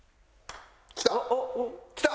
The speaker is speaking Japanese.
きた！